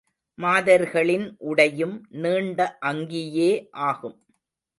மாதர்களின் உடையும் நீண்ட அங்கியே ஆகும்.